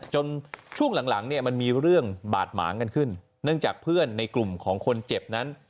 ช่วงหลังเนี่ยมันมีเรื่องบาดหมางกันขึ้นเนื่องจากเพื่อนในกลุ่มของคนเจ็บนั้น